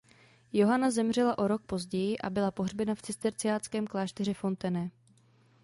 Johana zemřela o rok později a byla pohřbena v cisterciáckém klášteře Fontenay.